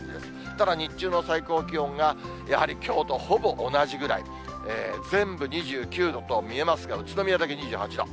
ただ日中の最高気温がやはりきょうとほぼ同じぐらい、全部２９度と見えますが、宇都宮だけ２８度。